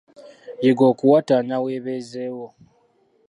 Yiga okuwatanya weebeezeewo.